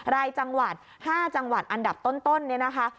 รายจังหวัด๕จังหวัดอันดับต้นเนี่ยนะคะ